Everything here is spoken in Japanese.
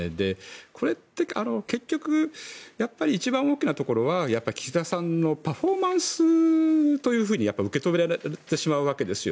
これって結局、一番大きなところは岸田さんのパフォーマンスというふうに受け止められてしまうわけですよ。